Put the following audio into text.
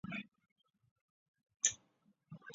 李森科事件是政治干涉科学的代表事例。